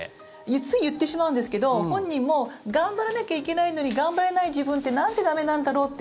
つい言ってしまうんですけど本人も頑張らなきゃいけないのに頑張れない自分ってなんて駄目なんだろうって